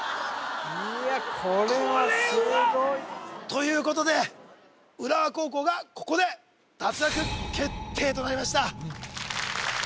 いやこれはすごいこれはということで浦和高校がここで脱落決定となりました